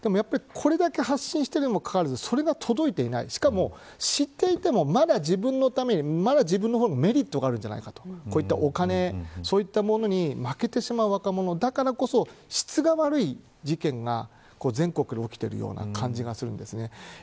これだけ発信してるにもかかわらず、それが届いておらず知っていても、まだ自分のために自分の方にもメリットがあるんじゃないかとお金などに負けてしまう若者だからこそ質が悪い事件が全国で起きている感じがします。